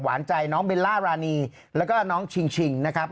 หวานใจน้องเบลล่ารานีแล้วก็น้องชิงนะครับ